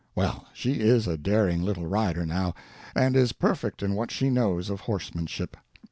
Well, she is a daring little rider, now, and is perfect in what she knows of horsemanship.